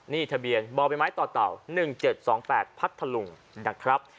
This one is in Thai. นี่ทะเบียนบ่อใบไม้ต่อเต่า๑๗๒๘พัทธลุงนะครับ